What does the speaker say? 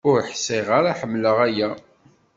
Ur ḥṣiɣ ara ḥemleɣ aya.